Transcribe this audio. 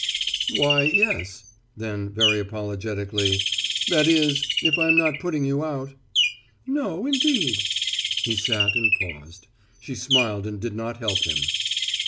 "Why, yes," then very apologetically; "that is, if I'm not putting you out." "No, indeed." He sat and paused. She smiled and did not help him.